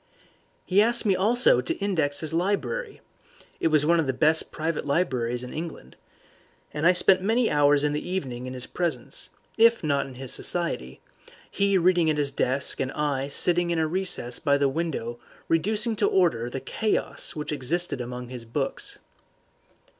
He asked me also to index his library (it was one of the best private libraries in England), and I spent many hours in the evening in his presence, if not in his society, he reading at his desk and I sitting in a recess by the window reducing to order the chaos which existed among his books.